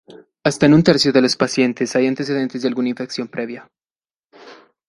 Hasta en un tercio de los pacientes hay antecedentes de alguna infección previa.